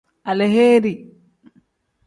Aleheeri.